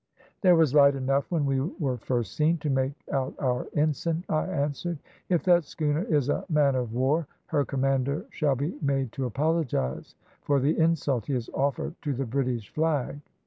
"`There was light enough when we were first seen to make out our ensign,' I answered. `If that schooner is a man of war, her commander shall be made to apologise for the insult he has offered to the British flag.'